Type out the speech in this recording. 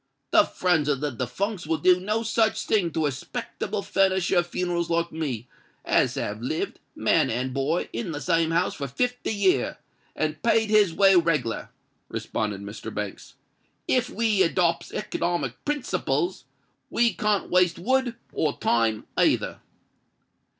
"The friends of the defuncts will do no such a thing to a 'spectable furnisher of funerals like me, as has lived, man and boy, in the same house for fifty year, and paid his way reglar," responded Mr. Banks. "If we adopts economic principles, we can't waste wood or time either."